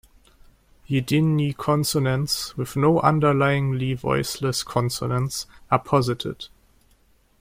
Yidiny consonants, with no underlyingly voiceless consonants, are posited.